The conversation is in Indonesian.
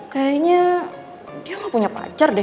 kayaknya dia gak punya pacar deh